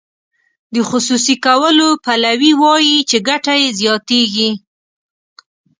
د خصوصي کولو پلوي وایي چې ګټه یې زیاتیږي.